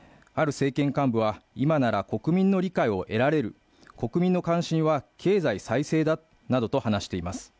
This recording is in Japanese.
ある政権幹部は今なら国民の理解を得られる、国民の関心は経済再生だなどと話しています。